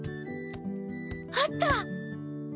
あった！